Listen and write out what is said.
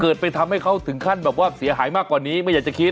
ไปทำให้เขาถึงขั้นแบบว่าเสียหายมากกว่านี้ไม่อยากจะคิด